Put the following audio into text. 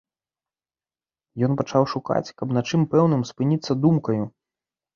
Ён пачаў шукаць, каб на чым пэўным спыніцца думкаю.